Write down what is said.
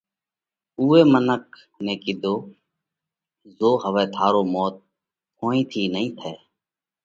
اُوئي منک نئہ ڪِيڌو: زو هوَئہ ٿارو موت ڦونهِي ٿِي نئين ٿئہ